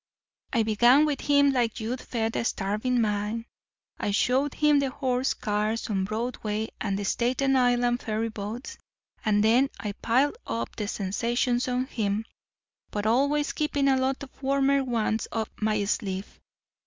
"I began with him like you'd feed a starving man. I showed him the horse cars on Broadway and the Staten Island ferry boats. And then I piled up the sensations on him, but always keeping a lot of warmer ones up my sleeve.